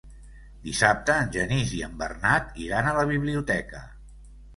Dissabte en Genís i en Bernat iran a la biblioteca.